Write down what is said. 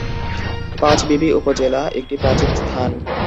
পাঁচবিবি উপজেলা একটি প্রাচীন স্থান।